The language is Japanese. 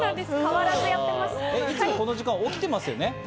いつもこの時間、起きてますよね？